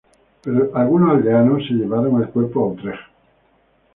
Pero algunos aldeanos se llevaron el cuerpo a Utrecht.